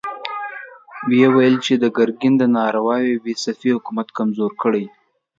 ويې ويل چې د ګرګين دا نارواوې به صفوي حکومت کمزوری کړي.